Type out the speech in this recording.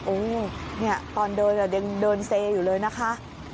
โอ้โฮตอนเดินเดินเซอยู่เลยนะคะ